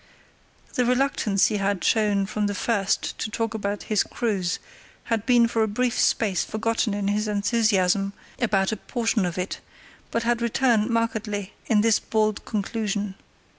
The reluctance he had shown from the first to talk about his cruise had been for a brief space forgotten in his enthusiasm about a portion of it, but had returned markedly in this bald conclusion.